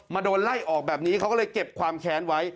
โดนไล่ออกแบบนี้เขาก็เลยเก็บความแค้นไว้